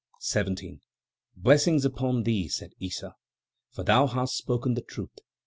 17. "Blessings upon thee!" said Issa. "For thou hast spoken the truth!